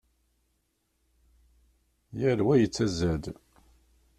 Yal wa yettazzal.